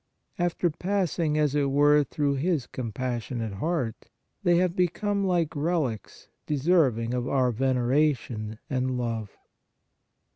After passing, as it were, through His compassionate Heart, they have become like relics deserving of our veneration and love.